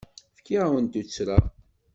Fkiɣ-awen-d tuttra.